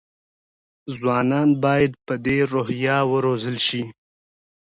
ځوانان باید په دې روحیه وروزل شي.